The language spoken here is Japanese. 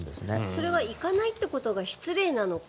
それは行かないということが失礼なのか